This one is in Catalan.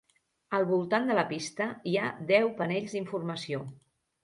Al voltant de la pista hi ha deu panells d'informació.